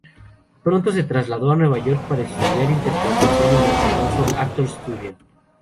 Pronto se trasladó a Nueva York para estudiar interpretación en el famoso Actor's Studio.